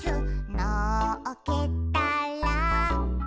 「のっけたら」